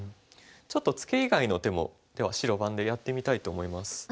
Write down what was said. ちょっとツケ以外の手もでは白番でやってみたいと思います。